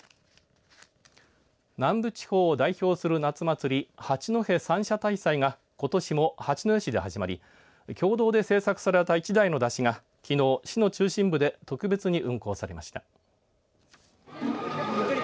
南部地方を代表する夏祭り、八戸三社大祭がことしも八戸市で始まり共同で製作された１台の山車がきのう市の中心部で特別に運行されました。